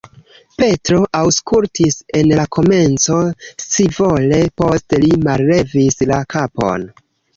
Petro aŭskultis en la komenco scivole, poste li mallevis la kapon.